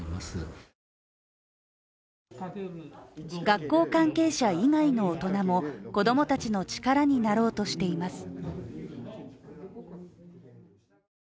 学校関係者以外の大人も子供たちの力になろうとしています。